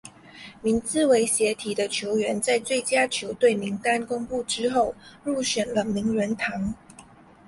名字为斜体的球员在最佳球队名单公布之后入选了名人堂。